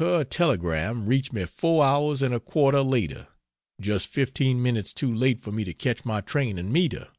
Her telegram reached me four hours and a quarter later just 15 minutes too late for me to catch my train and meet her.